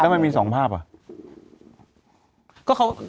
แล้วสองภาพอ่ะ